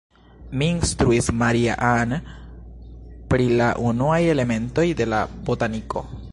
Mi instruis Maria-Ann pri la unuaj elementoj de la botaniko.